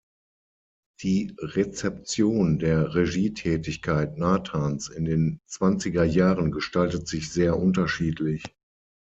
Die Rezeption der Regietätigkeit Natans in den zwanziger Jahren gestaltet sich sehr unterschiedlich.